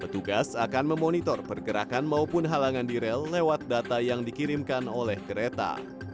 petugas akan memonitor pergerakan maupun halangan di rel lewat data yang dikirimkan oleh kereta